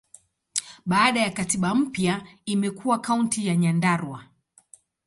Baada ya katiba mpya, imekuwa Kaunti ya Nyandarua.